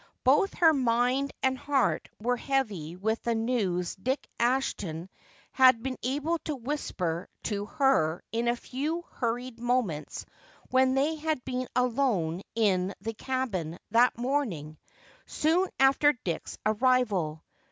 Both her mind and heart were heavy with the news Dick Ashton had been able to whisper to her in a few hurried moments when they had been alone in the cabin that morning soon after Dick's arrival.